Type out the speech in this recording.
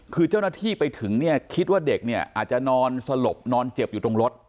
คือเจ้าหน้าที่ไปถึงเนี่ยคิดว่าเด็กเนี่ยอาจจะนอนสลบนอนเจ็บอยู่ตรงรถ